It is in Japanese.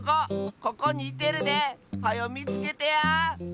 ここにいてるで！はよみつけてや。